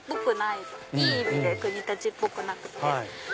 いい意味で国立っぽくなくて。